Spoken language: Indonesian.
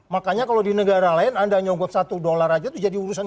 makanya kalau di negara lain anda nyogot satu dolar aja itu jadi urusan